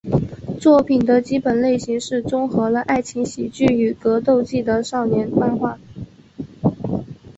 作品的基本类型是综合了爱情喜剧与格斗技的少年漫画。